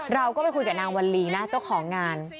เราก็ไปคุยกับนางวัลลีนะเจ้าของงาน